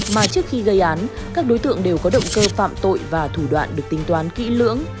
mà trước khi gây án các đối tượng đều có động cơ phạm tội và thủ đoạn được tính toán kỹ lưỡng